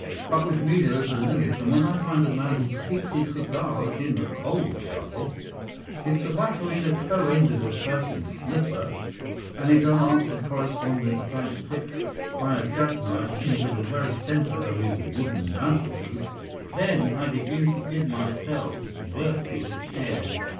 But with me there is a limit, and when I find a man who keeps his cigars in the coal scuttle, his tobacco in the toe end of a Persian slipper, and his unanswered correspondence transfixed by a jack knife into the very centre of his wooden mantelpiece, then I begin to give myself virtuous airs.